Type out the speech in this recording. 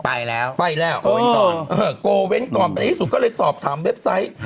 ไปแล้วโกเว้นตอนโกเว้นตอนไปที่สุดก็เลยสอบถามเว็บไซต์